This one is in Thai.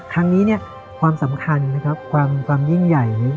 ครั้งนี้เนี่ยความสำคัญนะครับความยิ่งใหญ่